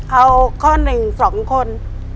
เอาข้อหนึ่งสองคน